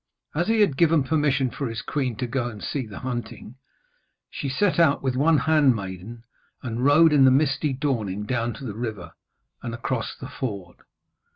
As he had given permission for his queen to go and see the hunting, she set out with one handmaiden, and rode in the misty dawning down to the river, and across the ford.